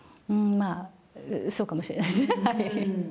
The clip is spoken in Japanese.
まあ、そうかもしれないですね。